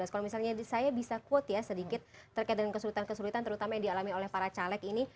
kalau misalnya saya bisa quote ya sedikit terkait dengan kesulitan kesulitan terutama yang dialami oleh para caleg ini